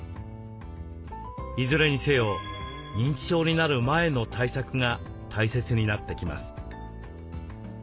いずれにせよ認知症になる前の対策が大切になってきます。